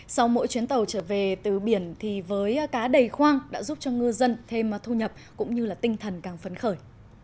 sau mỗi chuyến tàu trở về từ biển thì với cá đầy khoang đã giúp cho ngư dân thêm thu nhập cũng như là tinh thần càng phấn khởi